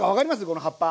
この葉っぱ。